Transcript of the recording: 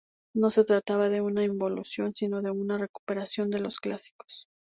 No se trataba de una involución, sino de una recuperación de los clásicos.